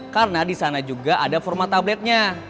karena disana juga ada format tabletnya